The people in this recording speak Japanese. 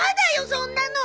そんなの！